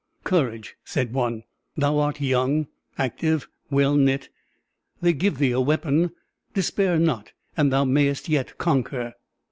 "Courage!" said one; "thou art young, active, well knit. They give thee a weapon! despair not, and thou mayst yet conquer."